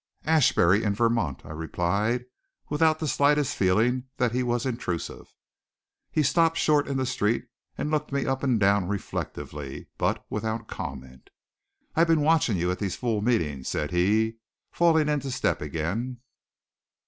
"Ashbury in Vermont," I replied, without the slightest feeling that he was intrusive. He stopped short in the street and looked me up and down reflectively, but without comment. "I've been watching you at these fool meetings," said he, falling into step again.